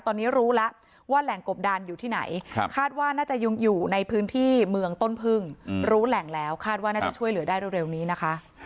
ตอนนี้รู้แล้วว่าแหล่งกบดานอยู่ที่ไหนคาดว่าน่าจะยังอยู่ในพื้นที่เมืองต้นพึ่งรู้แหล่งแล้วคาดว่าน่าจะช่วยเหลือได้เร็วนี้นะคะ